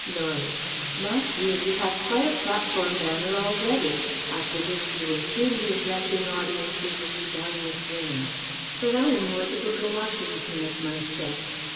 Norie: "My dear! You have quite a platform manner already. I predict you will soon be addressing audiences of rebellious women.... But I am more the Booker Washington of my sex.